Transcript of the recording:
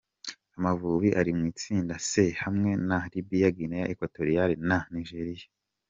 Amavubi ari mu itsinda C hamwe na Libya, Guinea Equatoriale na Nigeria.